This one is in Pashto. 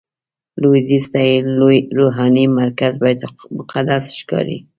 لویدیځ ته یې لوی روحاني مرکز بیت المقدس ښکاري.